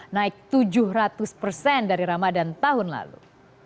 naik tujuh ratus persen dari ramadan tahun lalu